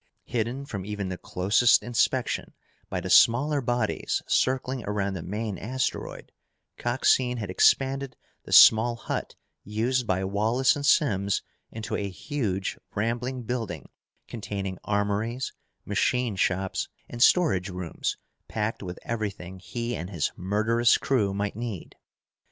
Hidden from even the closest inspection by the smaller bodies circling around the main asteroid, Coxine had expanded the small hut used by Wallace and Simms into a huge rambling building containing armories, machine shops, and storage rooms packed with everything he and his murderous crew might need.